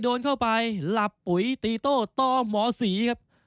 โดนเข้าไปหลับปุ๋ยตีโต้ต่อหมอศรีครับ